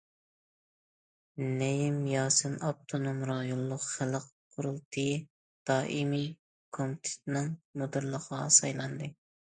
نەيىم ياسىن ئاپتونوم رايونلۇق خەلق قۇرۇلتىيى دائىمىي كومىتېتىنىڭ مۇدىرلىقىغا سايلاندى.